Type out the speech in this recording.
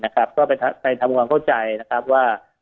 ก็ไปทำความเข้าใจว่า